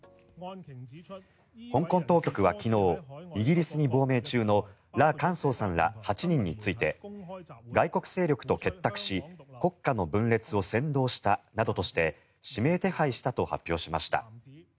香港当局は昨日イギリスに亡命中のラ・カンソウさんら８人について外国勢力と結託し国家の分裂を扇動したなどとして指名手配したと発表しました。